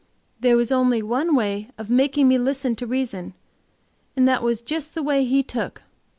There was only one way of making me listen to reason, and that was just the way He took.